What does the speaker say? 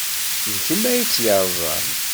D kemm ay tt-yerẓan?